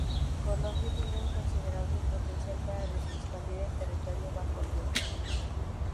Colombia tiene un considerable potencial para expandir el territorio bajo riego.